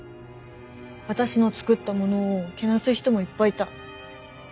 私の作ったものをけなす人もいっぱいいた。